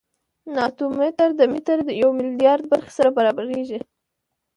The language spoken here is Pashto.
ناتو متر د متر د یو میلیاردمه برخې سره برابر دی.